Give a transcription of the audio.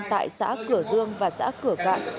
tại xã cửa dương và xã cửa cửa dương